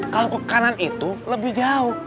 kalau ke kanan itu lebih jauh